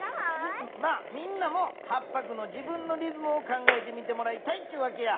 みんなも８ぱくの自分のリズムを考えてみてもらいたいっちゅうわけや。